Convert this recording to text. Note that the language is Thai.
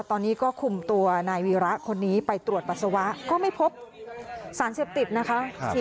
ตอนนี้ก็คุมตัวนายวีระคนนี้ไปตรวจปัสสาวะก็ไม่พบสารเสพติดนะคะ